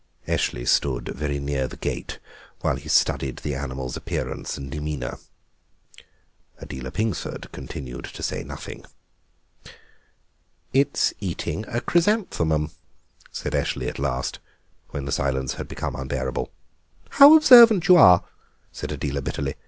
Eshley stood very near the gate while he studied the animal's appearance and demeanour. Adela Pingsford continued to say nothing. "It's eating a chrysanthemum," said Eshley at last, when the silence had become unbearable. "How observant you are," said Adela bitterly.